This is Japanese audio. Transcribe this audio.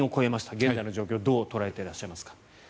現在の状況をどう捉えてらっしゃいますか。